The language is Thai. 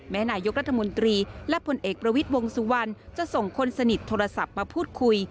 นายกรัฐมนตรีและผลเอกประวิทย์วงสุวรรณจะส่งคนสนิทโทรศัพท์มาพูดคุย